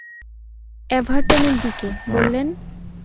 এভারটনের দিকে, বললেন?